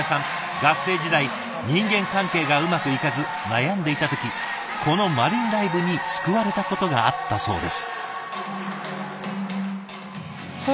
学生時代人間関係がうまくいかず悩んでいた時このマリンライブに救われたことがあったそうです。